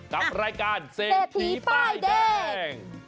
กับรายการเศรษฐีป้ายแดง